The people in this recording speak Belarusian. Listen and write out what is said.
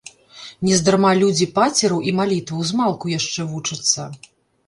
Нездарма людзі пацераў і малітваў змалку яшчэ вучацца.